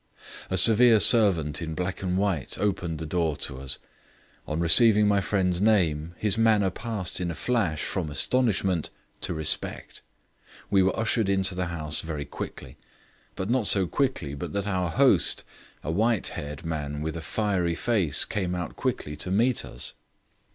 A severe servant in black and white opened the door to us: on receiving my friend's name his manner passed in a flash from astonishment to respect. We were ushered into the house very quickly, but not so quickly but that our host, a white haired man with a fiery face, came out quickly to meet us.